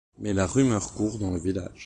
Mais la rumeur court dans le village.